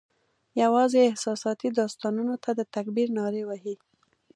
یوازي احساساتي داستانونو ته د تکبیر نارې وهي